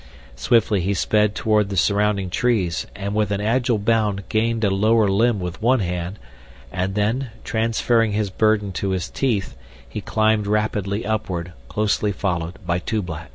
Swiftly he sped toward the surrounding trees and with an agile bound gained a lower limb with one hand, and then, transferring his burden to his teeth, he climbed rapidly upward, closely followed by Tublat.